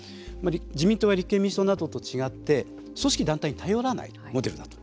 自民党や立憲民主党と違って組織団体に頼らないモデルだと。